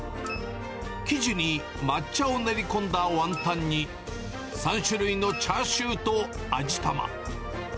生地に抹茶を練り込んだワンタンに、３種類のチャーシューと味玉。